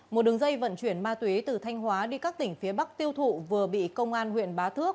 một đường dây vận chuyển ma túy từ thanh hóa đi các tỉnh phía bắc tiêu thụ vừa bị công an huyện bá thước